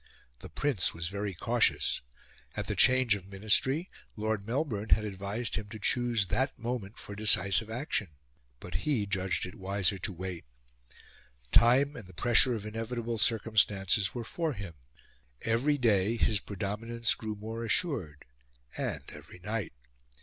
The Prince was very cautious; at the change of Ministry, Lord Melbourne had advised him to choose that moment for decisive action; but he judged it wiser to wait. Time and the pressure of inevitable circumstances were for him; every day his predominance grew more assured and every night.